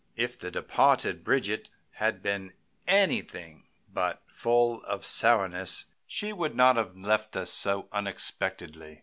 If the departed Bridget had been anything but full of sourness she would not have left us so unexpectedly."